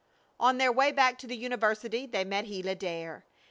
On their way back to the university they met Gila Dare.